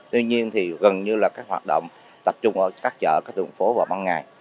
tuy nhiên thì gần như là các hoạt động tập trung ở các chợ các đường phố vào ban ngày